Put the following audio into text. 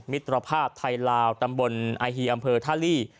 มิตรภาพไทยลาวตำบลอาฮีอำเภอท่าลี่